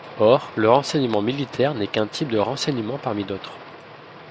Or le renseignement militaire n'est qu'un type de renseignement parmi d'autres.